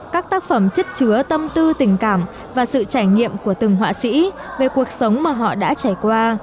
các tác phẩm chất chứa tâm tư tình cảm và sự trải nghiệm của từng họa sĩ về cuộc sống mà họ đã trải qua